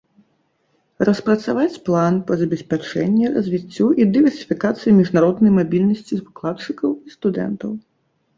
Распрацаваць план па забеспячэнні, развіццю і дыверсіфікацыі міжнароднай мабільнасці выкладчыкаў і студэнтаў.